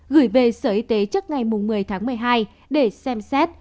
gửi về sở y tế trước ngày một mươi tháng một mươi hai để xem xét